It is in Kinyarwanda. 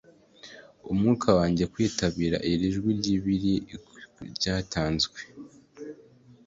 Umwuka wanjye kwitabira iri jwi ryibiri ryatanzwe